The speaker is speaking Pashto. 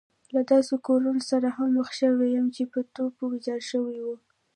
له داسې کورونو سره هم مخ شوم چې په توپو ويجاړ شوي وو.